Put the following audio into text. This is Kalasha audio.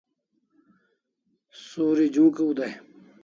Suri j'unk'iv dai